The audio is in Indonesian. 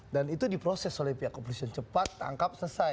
dan itu diproses oleh pihak kepolisian cepat tangkap selesai